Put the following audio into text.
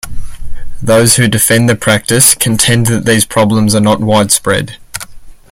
Those who defend the practice contend that these problems are not widespread.